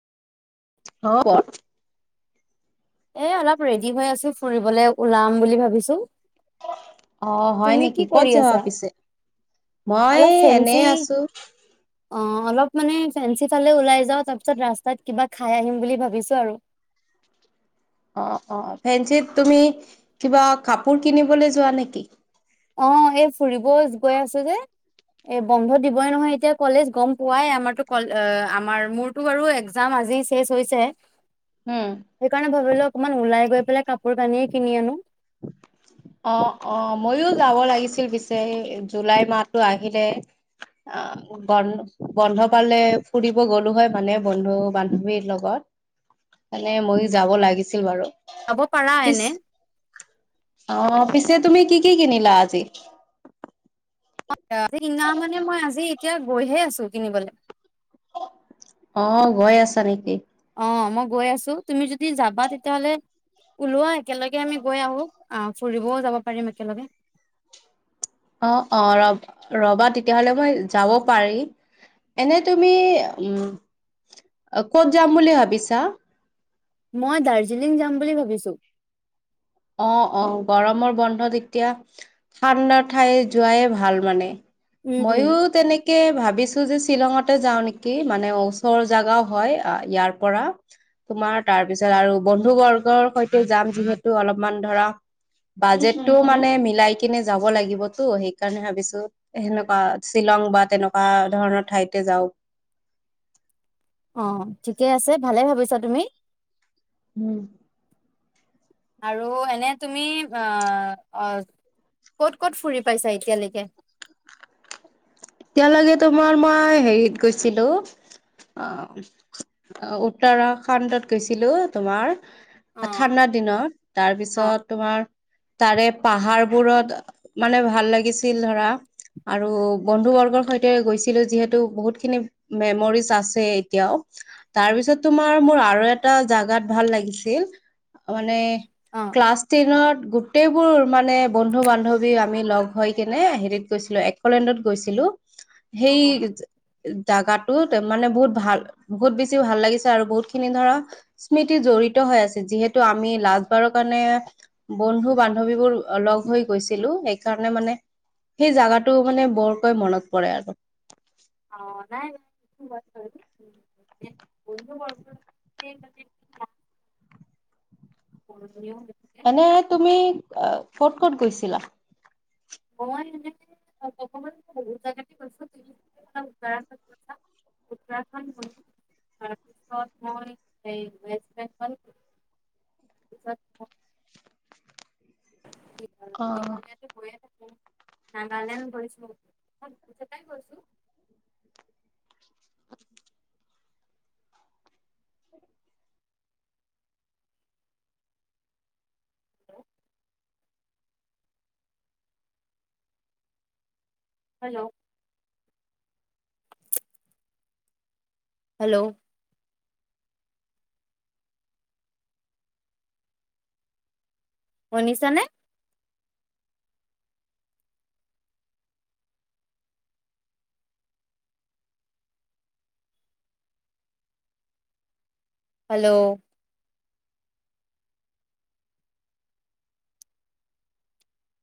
[unintelligible] এ অলপ ৰেডি হৈ আছোঁ, ফুৰিবলে ওলাম বুলি ভাবিছো। অ', হয় তুমি কি নেকি? ক'ত কৰি যাবা আছা পিছে? মই অলপ ফেঞ্চি এনেই আছো। অ', অলপ মানে ফেঞ্চি ফালে ওলাই যাওঁ, তাৰপিছত ৰাস্তাত কিবা খাই আহিম বুলি ভাবিছোঁ আৰু। অ', অ', ফেঞ্চিত তুমি কিবা কাপোৰ কিনিবলৈ যোৱা নেকি? অ', এই ফুৰিব গৈ আছো যে। এ বন্ধ দিবই নহয় এতিয়া কলেজ গম পোৱাই, আমাৰতো [unintelligible] আমাৰ মোৰ [unintelligible] বাৰু এক্সাম আজি চেচ হৈছে। উম। সেইকাৰণে ভাবিলো অকণমান ওলাই গৈ পেলাই কাপোৰ কানিয়ে কিনি আনো। অ অ ময়ো যাব লাগিছিল পিছে জুলাই মাহটো আহিলে। অ। বন্ধ বন্ধ পালে ফুৰিব গ'লো হয় মানে বন্ধু বান্ধৱীৰ লগত। মানে ময়ো যাব লাগিছিল বাৰু। যাব পাৰা পিছ এনে। অ পিছে তুমি কি কি কিনিলা আজি? [unintelligible] মানে মই আজি এতিয়া গৈহে আছো কিনিবলৈ। অ গৈ আছা নেকি? অ মই গৈ আছো, তুমি যদি যাবা তেতিয়াহ'লে ওলোৱা একেলগে আমি গৈ আহো আহ ফুৰিবও যাব পাৰিম একেলগে। অ অ ৰ ৰ'বা তেতিয়াহ'লে মই যাব পাৰি। এনে তুমি উম ক'ত যাম বুলি ভাবিছা? মই দাৰ্জিলিং যাম বুলি ভাবিছো। অ অ গৰমৰ বন্ধত এতিয়া ঠাণ্ডা ঠাই যোৱায়েই ভাল মানে। উম ময়ো তেনেক কে ভাবিছো যে শ্বিলঙতে যাওঁ নেকি মানে ওচৰ জাগাও হয় ইয়াৰ পৰা। তোমাৰ তাৰপিছত আৰু বন্ধু বৰ্গৰ সৈতেও যাম যিহেতু অলপমান ধৰা বাজেটটোও মানে মিলাই কিনে যাব লাগিবতো সেইকাৰণে ভাবিছো সেনেকুৱা শ্বিলং বা তেনেকুৱা ধৰণৰ ঠাইতে যাওঁ। অ ঠিকে আছে ভালে ভাবিছা তুমি। উম। আৰু এনে তুমি অ অ ক'ত ক'ত ফুৰি পাইছা এতিয়ালৈকে? এতিয়ালৈকে তোমাৰ মই হেৰিত গৈছিলো অ উওৰা খণ্ডত গৈছিলো তোমাৰ। অ ঠাণ্ডা দিনত অ তাৰপিছত তোমাৰ তাৰে পাহাৰবোৰত মানে ভাল লাগিছিল ধৰা আৰু বন্ধু বৰ্গৰ সৈতে গৈছিলো যিহেতু বহুতখিনি মেমৰিজ আছে এতিয়াও। তাৰপিছত তোমাৰ মোৰ আৰু এটা জেগাত ভাল লাগিছিল মানে অ ক্লাছ টেনত গোটেইবোৰ মানে বন্ধু বান্ধৱী আমি লগ হৈ কেনে হেৰিত গৈছিলো একলেণ্ডত গৈছিলো অ সেই জাগাটোত মানে বহুত ভাল বহুত বেছি ভাল লাগিছে আৰু বহুতখিনি ধৰা স্মৃতি জড়িত হৈ আছে যিহেতু আমি লাষ্টবাৰৰ কাৰণে বন্ধু বান্ধৱীবোৰ লগ হৈ গৈছিলো সেইকাৰণে মানে সেই জাগাটো মানে বৰকৈ মনত পৰে আৰু। অ নাই [unintelligible] [unintelligible] এনে তুমি ক'ত ক'ত গৈছিলা? মই [unintelligible] যেতিয়া ক'লা উত্তৰাখণ্ড গৈছা [unintelligible] সেই [unintelligible] অ মেঘালয়তে গৈয়ে থাকে নাগালেণ্ড গৈছো [unintelligible] গৈছো। হেল্ল' হেল্ল হেল্ল শুনিছা নে? হাল্ল